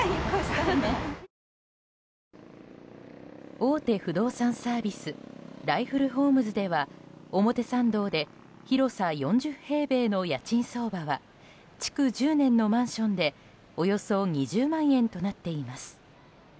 大手不動産サービスライフルホームズでは表参道で広さ４０平米の家賃相場は築１０年のマンションでおよそ２０万円となっています。